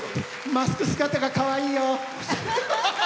マスク姿がかわいいよ！